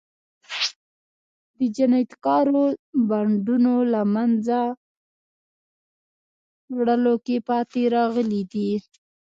د جنایتکارو بانډونو له منځه وړلو کې پاتې راغلي دي.